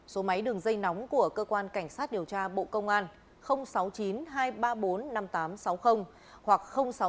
số máy đường dây nóng của cơ quan cảnh sát điều tra bộ công an sáu mươi chín hai trăm ba mươi bốn năm nghìn tám trăm sáu mươi hoặc sáu mươi chín hai trăm ba mươi một một nghìn sáu trăm